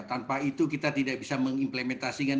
tanpa itu kita tidak bisa mengimplementasikan